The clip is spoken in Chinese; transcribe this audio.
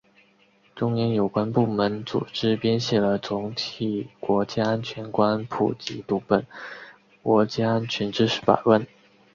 中央有关部门组织编写了总体国家安全观普及读本——《国家安全知识百问》